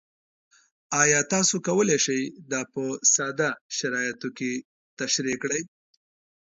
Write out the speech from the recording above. ایا تاسو کولی شئ دا په ساده شرایطو کې تشریح کړئ؟